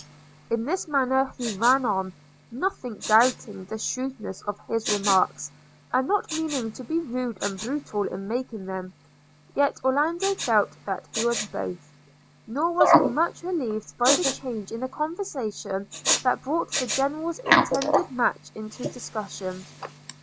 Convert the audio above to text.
– In this manner he ran on, nothing doubting the shrewdness of his remarks, and not meaning to be rude and brutal in making them: yet Orlando felt that he was both; nor was he much relieved by the change in the conversation that brought the General's intended match into discussion.